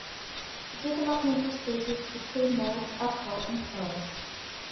The developmental stages between molts are called instars.